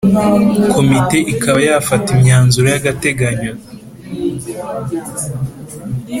Komite ikaba yafata imyanzuro yagateganyo